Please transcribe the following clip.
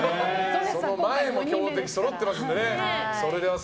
その前も強敵そろってますからね。